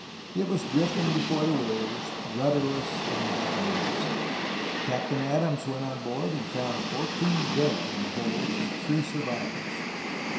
It was drifting before the waves, rudderless and without a mast. Captain Adams went on board, and found fourteen dead in the hold and three survivors.